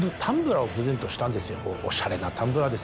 おしゃれなタンブラーです